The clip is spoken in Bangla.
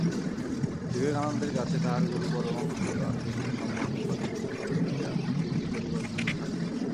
বিবেকানন্দের কাছে তাঁহার গুরু পরমহংস রামকৃষ্ণ সম্বন্ধে কতকগুলি পুস্তিকা বিলি করিবার জন্য থাকে।